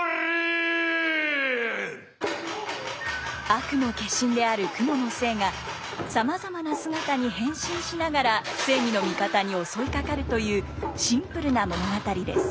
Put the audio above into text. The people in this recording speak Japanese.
悪の化身である蜘蛛の精がさまざまな姿に変身しながら正義の味方に襲いかかるというシンプルな物語です。